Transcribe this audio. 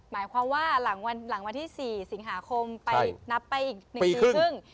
หมายความว่าหลังวันที่๔สิงหาคมไปนับไปอีก๑ปีครึ่ง